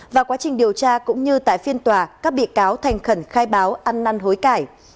và quá trình điều tra cũng như tại phiên tòa các bị cáo thành khẩn khai báo ăn năn hối cải